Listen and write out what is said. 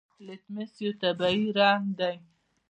لتمس یو طبیعي رنګ دی.